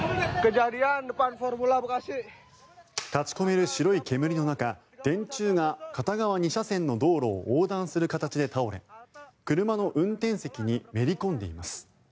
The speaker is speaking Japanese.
立ち込める白い煙の中電柱が片側２車線の道路を横断する形で倒れ車の運転席にめり込んでいます。